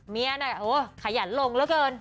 เมียน่ะโอ้ขยันลงแล้วเกิน